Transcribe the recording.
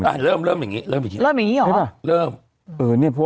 ฟังลูกครับ